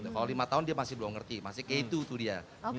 kalau lima tahun dia masih belum ngerti masih ke itu tuh dia